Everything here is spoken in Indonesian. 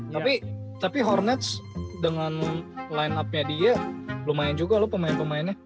tapi tapi hormats dengan line up nya dia lumayan juga loh pemain pemainnya